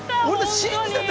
◆信じてて。